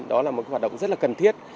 đó là một hoạt động rất là cần thiết